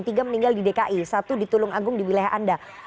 tiga meninggal di dki satu di tulung agung di wilayah anda